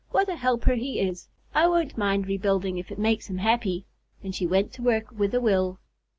what a helper he is! I won't mind rebuilding if it makes him happy," and she went to work with a will.